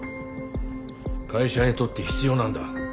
会社にとって必要なんだ。